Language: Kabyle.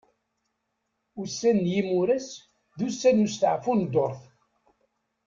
Ussan n yimuras d wussan n ustaɛfu n ddurt.